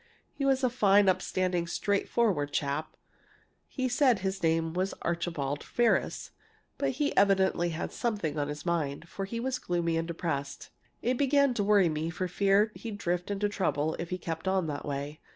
"He was a fine, upstanding, straightforward chap (he said his name was Archibald Ferris), but he evidently had something on his mind, for he was gloomy and depressed. It began to worry me for fear he'd drift into trouble if he kept on that way.